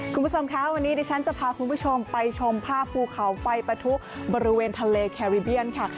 คุณผู้ชมคะวันนี้ดิฉันจะพาคุณผู้ชมไปชมภาพภูเขาไฟปะทุบริเวณทะเลแคริเบียนค่ะ